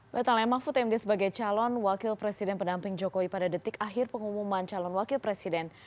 batalnya mahfud md sebagai calon wakil presiden pendamping jokowi pada detik akhir pengumuman calon wakil presiden